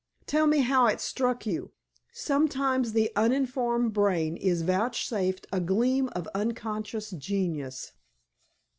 "Tell me how it struck you. Sometimes the uninformed brain is vouchsafed a gleam of unconscious genius."